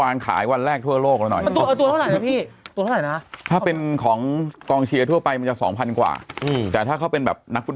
เราพูดแบบนะคุณจะต้องไปเปลี่ยนเสื้อไอ้บันดัก